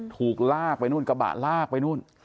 ถูกลากไปนู่นกระบะลากไปนู่น